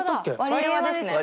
ワリエワですね。